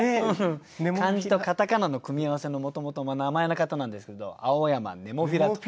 漢字と片仮名の組み合わせのもともと名前の方なんですけど青山ネモフィラと。